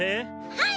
はい！